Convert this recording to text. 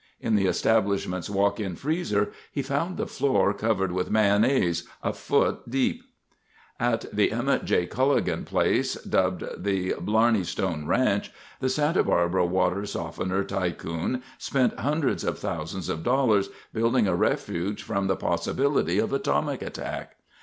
In the establishment's walk in freezer he found the floor covered with mayonnaise—a foot deep! ■ At the Emmett J. Culligan place, dubbed the "Blarneystone Ranch," the Santa Barbara water softener tycoon spent hundreds of thousands of dollars building a refuge from the possibility of atomic attack.